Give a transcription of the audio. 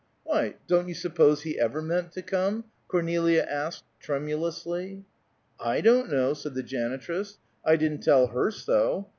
"Why, don't you suppose he ever meant to come?" Cornelia asked, tremulously. "I don't know," said the janitress. "I didn't tell her so.